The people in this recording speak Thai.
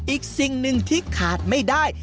อีกสิ่งหนึ่งที่ขาดไม่ได้